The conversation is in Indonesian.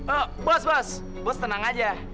oh bos bos bos tenang aja